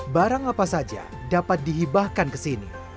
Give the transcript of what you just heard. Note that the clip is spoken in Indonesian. barang apa saja dapat dihibahkan ke sini